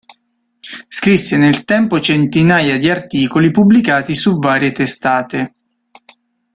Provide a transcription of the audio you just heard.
Scrisse nel tempo centinaia di articoli pubblicati su varie testate.